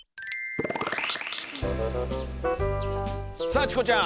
さあチコちゃん！